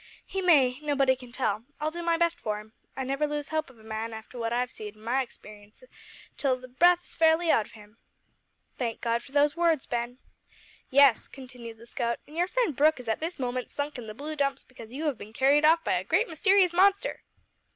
"He may. Nobody can tell. I'll do my best for him. I never lose hope of a man, after what I've see'd in my experience, till the breath is fairly out of him." "Thank God for these words, Ben." "Yes," continued the scout, "and your friend Brooke is at this moment sunk in the blue dumps because you have been carried off by a great mysterious monster!"